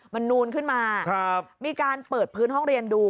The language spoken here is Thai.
มันนูนขึ้นมามีการเปิดพื้นห้องเรียนดู